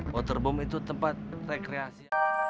waterboom itu tempat rekreasi